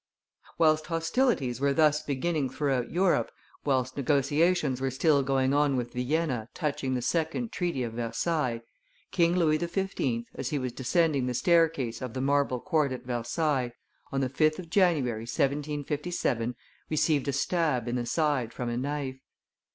Whilst hostilities were thus beginning throughout Europe, whilst negotiations were still going on with Vienna touching the second treaty of Versailles, King Louis XV., as he was descending the staircase of the marble court at Versailles on the 5th of January, 1757, received a stab in the side from a knife.